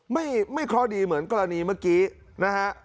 ไม่เคราะห์ดีเหมือนกรณีเมื่อกี้นะฮะ